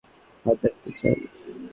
হাত দেখতে চান?